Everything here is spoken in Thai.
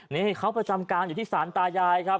นี่เขาประจำการอยู่ที่ศาลตายายครับ